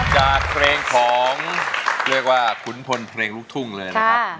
จากเพลงของเรียกว่าขุนพลเพลงลูกทุ่งเลยนะครับ